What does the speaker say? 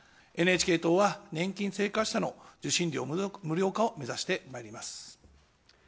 ＮＨＫ党は年金生活者の受信料無料化を目指してまいります。